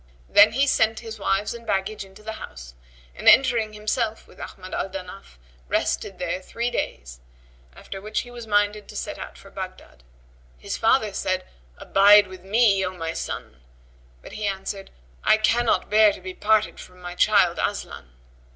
Then he sent his wives and baggage into the house and entering himself with Ahmad al Danaf, rested there three days, after which he was minded to set out for Baghdad. His father said, "Abide with me, O my son;" but he answered; "I cannot bear to be parted from my child Aslan."